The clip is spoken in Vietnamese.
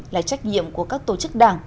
là trách nhiệm của các tổ chức đảng